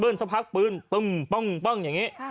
สักพักปืนตึ้มป้องอย่างนี้